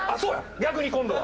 逆に今度は。